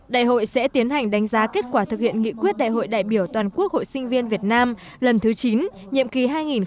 đại hội sẽ tiến hành đánh giá kết quả thực hiện nghị quyết đại hội đại biểu toàn quốc hội sinh viên việt nam lần thứ chín nhiệm kỳ hai nghìn một mươi chín hai nghìn hai mươi